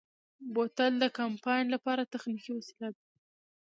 بوتل د کمپاین لپاره تخنیکي وسیله ده.